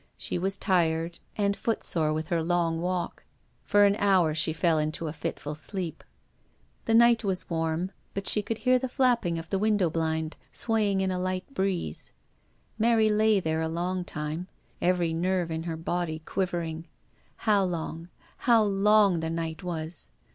She was tired and foot sore with her long walk For an hour she fell into a fitful sleep. The night was sultry, but she could hear the flapping of the window blind, swaying in a light breeze. Mary lay there a long time, every nerve in her body quivering. How long, how long the night was!